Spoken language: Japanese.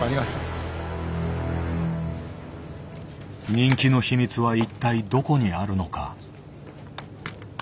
人気の秘密は一体どこにあるのか。